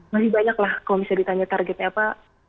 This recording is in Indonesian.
masih banyak lah kalau misalnya ditanya targetnya apa